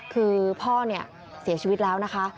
คือพ่อเนี่ยเสียชีวิตแล้วนะคะ